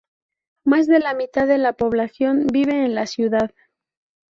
Más de la mitad de la población vive en la ciudad.